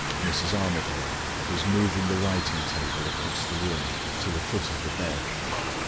Mrs. Armadale was moving the writing table across the room to the foot of the bed.